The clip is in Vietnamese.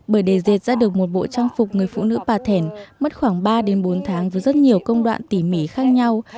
bởi để dệt ra được một bộ trang phục người phụ nữ bà thèn mất khoảng ba đến bốn tháng và rất nhiều